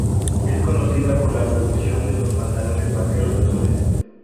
Es conocida por la producción de los pantalones vaqueros azules.